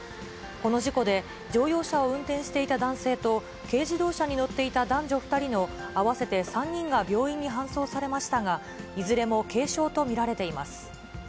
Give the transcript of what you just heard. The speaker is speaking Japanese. この事故で乗用車を運転していた男性と、軽自動車に乗っていた男女２人の合わせて３人が病院に搬送されましたが、いずれも軽傷と見られています。